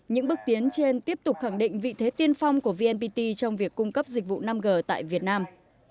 những bước tiến trên tiếp tục khẳng định vị thế tiên phong của vnpt trong việc cung cấp dịch vụ năm g tại việt nam